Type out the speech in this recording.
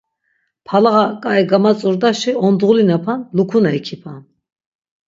Palağa ǩai kagamatzurdaşi ondğulinapan, lukuna ikipan.